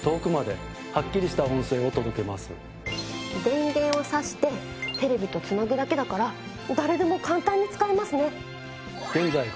電源を挿してテレビとつなぐだけだから誰でも簡単に使えますね。